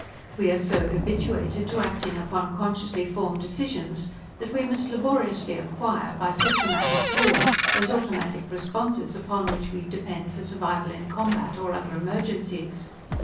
We are so habituated to acting upon consciously formed decisions that we must laboriously acquire, by systematic drill, those automatic responses upon which we depend for survival in combat or other emergencies.